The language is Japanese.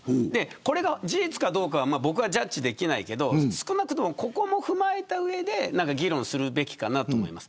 これは事実かどうか僕はジャッジできないけどここも踏まえた上で議論すべきかと思います。